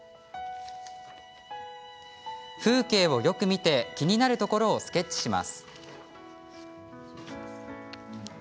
風景をよく見て気になるところをスケッチします。